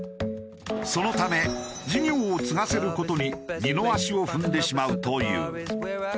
そのため事業を継がせる事に二の足を踏んでしまうという。